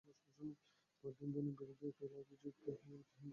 পরদিন ধোনির বিরুদ্ধে তোলা অভিযোগকে ভিত্তিহীন বলে দাবি করেন বিসিসিআইয়ের আইনজীবীরা।